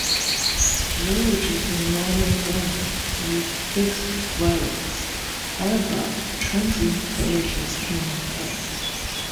Villages are normally permanent, with fixed dwellings; however, transient villages can occur.